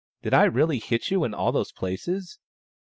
Did I really hit you in all those places